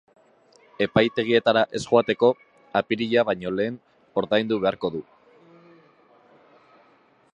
Epaitegietara ez joateko, apirila baino lehen ordaindu beharko du.